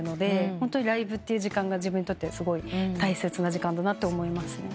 ホントにライブっていう時間が自分にとってすごい大切な時間だなと思いますね。